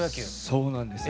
そうなんです。